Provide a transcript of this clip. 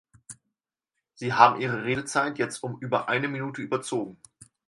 Sie haben Ihre Redezeit jetzt um über eine Minute überzogen.